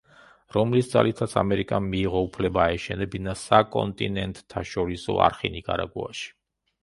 რომლის ძალითაც ამერიკამ მიიღო უფლება აეშენებინა საკონტინენტთაშორისო არხი ნიკარაგუაში.